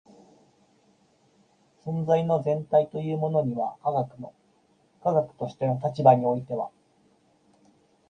存在の全体というものには科学の科学としての立場においては